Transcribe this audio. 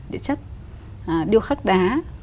điện chất điêu khắc đá